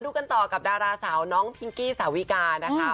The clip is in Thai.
กันต่อกับดาราสาวน้องพิงกี้สาวิกานะคะ